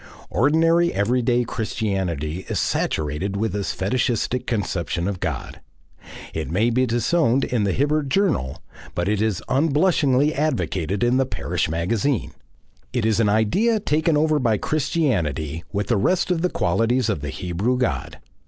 Ordinary everyday Christianity is saturated with this fetishistic conception of God. It may be disowned in THE HIBBERT JOURNAL, but it is unblushingly advocated in the parish magazine. It is an idea taken over by Christianity with the rest of the qualities of the Hebrew God.